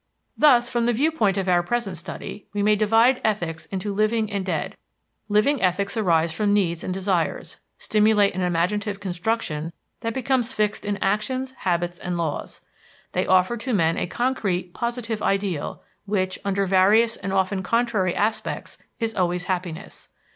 Thus, from the viewpoint of our present study, we may divide ethics into living and dead. Living ethics arise from needs and desires, stimulate an imaginative construction that becomes fixed in actions, habits and laws; they offer to men a concrete, positive ideal which, under various and often contrary aspects, is always happiness.